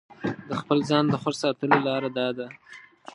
د خپل ځان د خوښ ساتلو لاره داده.